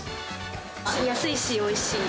安いしおいしい。